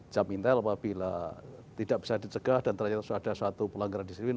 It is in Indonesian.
jamintar apabila tidak bisa dicegah dan terjadi suatu pelanggaran disiplin